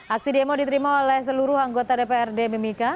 aksi demo diterima oleh seluruh anggota dprd mimika